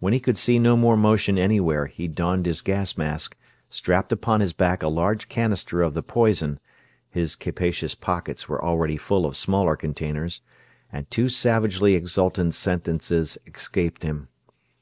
When he could see no more motion anywhere he donned his gas mask, strapped upon his back a large canister of the poison his capacious pockets were already full of smaller containers and two savagely exultant sentences escaped him.